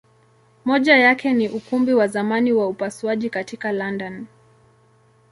Moja yake ni Ukumbi wa zamani wa upasuaji katika London.